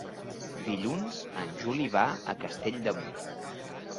Dilluns en Juli va a Castell de Mur.